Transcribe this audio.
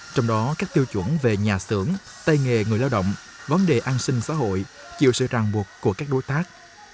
trong đó các tiêu chuẩn về nhà xưởng tay nghề người lao động vấn đề an sinh xã hội chịu sự ràng buộc của các đối tác